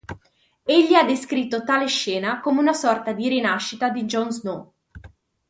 Egli ha descritto tale scena come una sorta di "Rinascita" di Jon Snow.